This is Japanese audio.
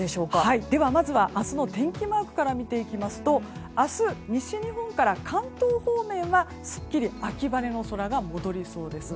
まずは明日の天気マークから見ていきますと明日、西日本から関東方面はすっきり秋晴れの空が戻りそうです。